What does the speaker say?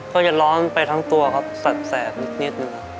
เขาจะร้อนไปทั้งตัวครับแสบนิดนึง